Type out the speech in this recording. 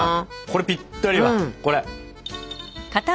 これぴったりだこれ。